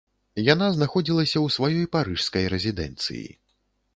Яна знаходзілася ў сваёй парыжскай рэзідэнцыі.